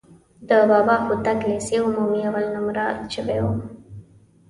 د بابا هوتک لیسې عمومي اول نومره شوی وم.